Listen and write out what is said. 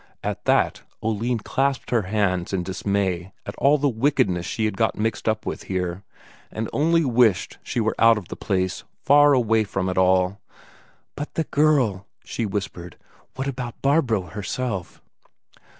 At that, Oline clasped her hands in dismay at all the wickedness she had got mixed up with here, and only wished she were out of the place, far away from it all. "But the girl," she whispered, "what about Barbro herself?"